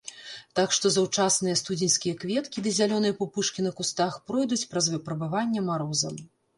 Так што заўчасныя студзеньскія кветкі ды зялёныя пупышкі на кустах пройдуць праз выпрабаванне марозам.